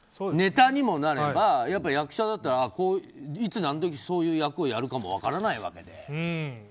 ネタにもなればやっぱり役者だったらいつ何時そういう役をやるかも分からないわけで。